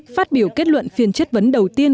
phát biểu kết luận phiên chất vấn đầu tiên